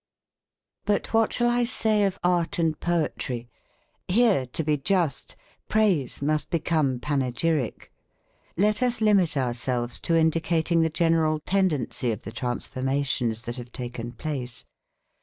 But what shall I say of art and poetry? Here to be just, praise must become panegyric. Let us limit ourselves to indicating the general tendency of the transformations that have taken place.